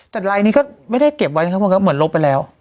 แต่ไลฟ์นี้ก็ไม่ได้เก็บไว้ในข้างบนครับเหมือนลบไปแล้ว